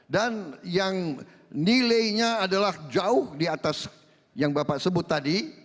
dan yang nilainya adalah jauh di atas yang bapak sebut tadi